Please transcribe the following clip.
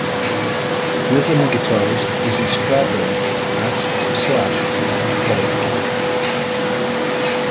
Rhythm guitarist Izzy Stradlin asked Slash to play it again.